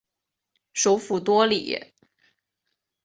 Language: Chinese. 首府多里。